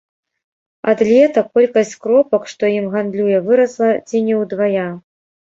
Ад лета колькасць кропак, што ім гандлюе, вырасла ці не ўдвая.